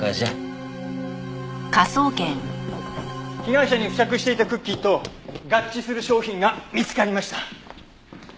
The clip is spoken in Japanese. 被害者に付着していたクッキーと合致する商品が見つかりました。